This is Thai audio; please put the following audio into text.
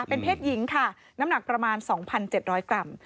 เป็นเพศหญิงค่ะน้ำหนักประมาณ๒๗๐๐กรัม